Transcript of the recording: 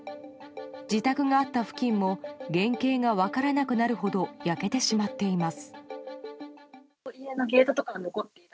自宅があった付近も原形が分からなくなるほど焼けてしまっています。